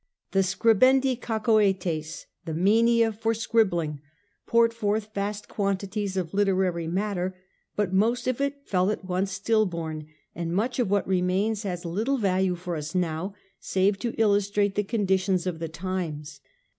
The scribendi cacoethes, the mania for scribbling, poured forth vast quantities of literary matter ; but most of it fell at once still born, and much of what remains has little value for us now, save to illustrate the conditions of the times.